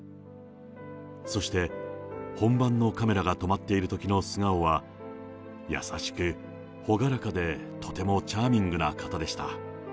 そして、本番のカメラが止まっているときの素顔は、優しく朗らかで、とてもチャーミングな方でした。